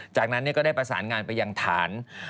จากนั้นก็ได้ประสานงานไปยังฐาน